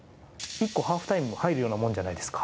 １個、ハーフタイムが入るようなものじゃないですか。